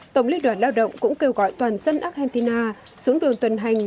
tổng liên đoàn lao động cũng kêu gọi toàn dân argentina xuống đường tuần hành